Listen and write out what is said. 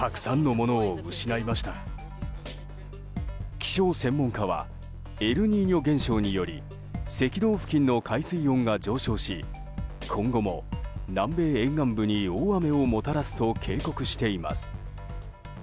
気象専門家はエルニーニョ現象により赤道付近の海水温が上昇し今後も南米沿岸部に大雨をもたらすと警告しています。